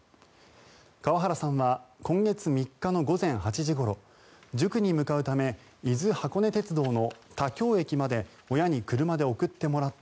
川原さんは今月３日の午前８時ごろ塾に向かうため伊豆箱根鉄道の田京駅まで親に車で送ってもらった